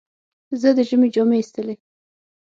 زه د ژمي جامې ایستلې.